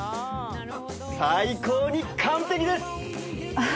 最高に完璧です。